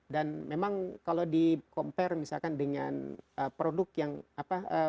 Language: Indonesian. dan memang kalau di compare misalkan dengan produk yang apa